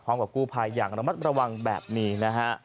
พร้อมกับกู้ภัยอย่างระมัดระวังแบบนี้นะฮะ